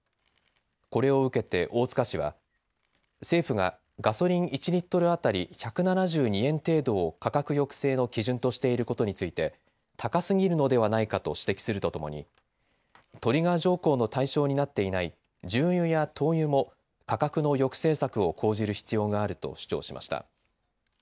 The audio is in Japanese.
これを受けて、大塚氏は、政府がガソリン１リットル当たり１７２円程度を価格抑制の基準としていることについて、高すぎるのではないかと指摘するとともに、トリガー条項の対象になっていない重油や灯油も価格の抑制策を講じる必要があると主張しました。